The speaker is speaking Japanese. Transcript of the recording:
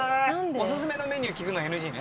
おすすめのメニュー聞くのＮＧね。